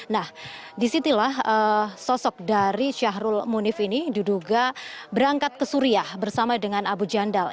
nah disitulah sosok dari syahrul munif ini diduga berangkat ke suriah bersama dengan abu jandal